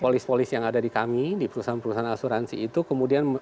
polis polis yang ada di kami di perusahaan perusahaan asuransi itu kemudian